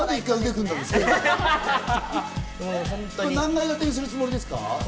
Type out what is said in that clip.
何階建てにするつもりですか？